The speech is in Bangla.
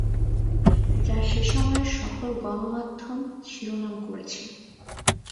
যা; সেসময়ের সকল গণমাধ্যম শিরোনাম করেছিল।